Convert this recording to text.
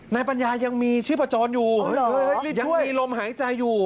นายปัญญายังมีชื่อผจรอยู่ยังมีลมหายใจอยู่